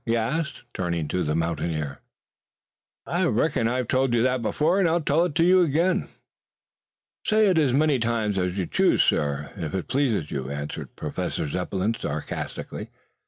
he asked, turning to the mountaineer. "I reckon I've told you that before and I'll tell it to you again." "Say it as many times as you choose, sir, if it pleases you," answered Professor Zepplin sarcastically.